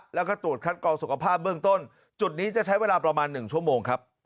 แล้วก็ตรวจคัดกองสุขภาพเบื้องต้นจุดนี้จะใช้เวลาประมาณ๑ชั่วโมงครับ